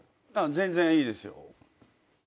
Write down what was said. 全然いいですよ。